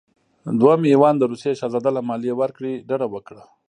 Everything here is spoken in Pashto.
دویم ایوان د روسیې شهزاده له مالیې ورکړې ډډه وکړه.